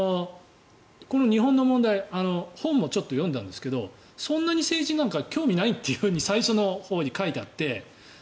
この日本の問題本もちょっと読んだんですけどそんなに政治なんか興味ないって最初のほうに書いてあって。